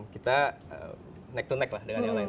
kita neck to neck lah dengan yang lain